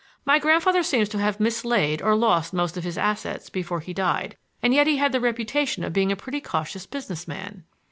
My grandfather seems to have mislaid or lost most of his assets before he died. And yet he had the reputation of being a pretty cautious business man."